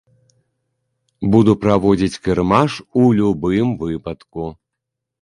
Буду праводзіць кірмаш у любым выпадку.